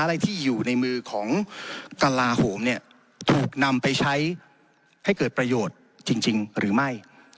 อะไรที่อยู่ในมือของกระลาโหมเนี่ยถูกนำไปใช้ให้เกิดประโยชน์จริงหรือไม่